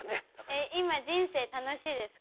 えっ今人生楽しいですか？